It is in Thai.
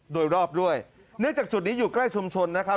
โดยรอบด้วยเนื่องจากจุดนี้อยู่ใกล้ชุมชนนะครับ